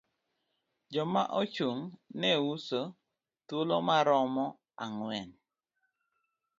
Joma ochung' ne uso, thuolo maromo ang'wen.